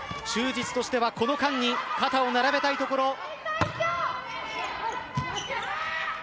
就実としてはこの間に肩を並べたいところ。